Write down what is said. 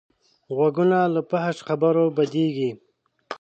غوږونه له فحش خبرو بدېږي